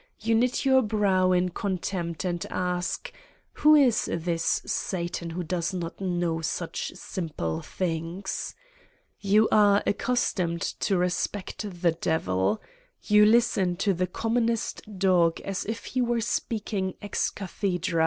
You knit your brow in contempt and ask : Who is this Satan who does not know such simple things? You are ac customed to respect the Devil. You listen to the commonest dog as if he were speaking ex cathedra.